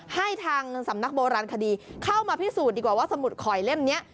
ให้ทางสำนักโบราณคดีเข้ามาพิสูจน์ดีกว่าว่าสมุดข่อยเล่มนี้